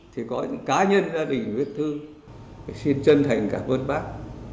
thì có những cá nhân gia đình viết thư xin chân thành cảm ơn bác